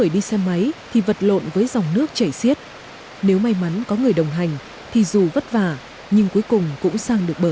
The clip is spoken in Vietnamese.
đầu tư xây mới bốn cây cầu qua suối